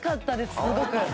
すごく。